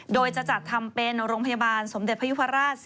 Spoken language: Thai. โดยจะจัดทำเป็นโรงพยาบาลสมเด็จพยุพราช